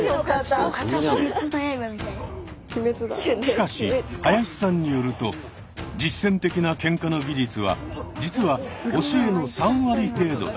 しかし林さんによると実戦的なケンカの技術は実は教えの３割程度だけ。